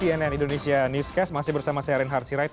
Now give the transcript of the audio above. anda kembali di cnn indonesia newscast masih bersama saya arieen hartziraid